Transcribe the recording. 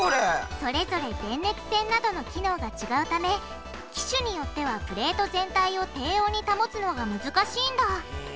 それぞれ電熱線などの機能がちがうため機種によってはプレート全体を低温に保つのが難しいんだへぇ。